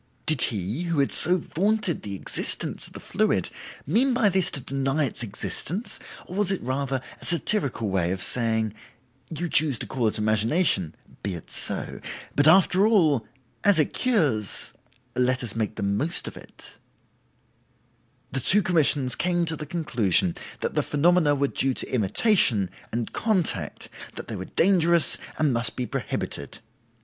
Did he, who had so vaunted the existence of the fluid, mean by this to deny its existence, or was it rather a satirical way of saying. 'You choose to call it imagination; be it so. But after all, as it cures, let us make the most of it'? "The two commissions came to the conclusion that the phenomena were due to imitation, and contact, that they were dangerous and must be prohibited.